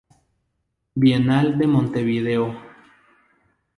Bienal de Montevideo.